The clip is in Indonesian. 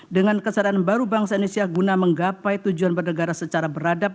dengan kesadaran baru bangsa indonesia guna menggapai tujuan bernegara secara beradab